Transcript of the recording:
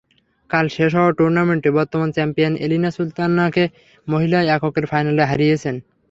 কাল শেষ হওয়া টুর্নামেন্টে বর্তমান চ্যাম্পিয়ন এলিনা সুলতানাকে মহিলা এককের ফাইনালে হারিয়েছেন।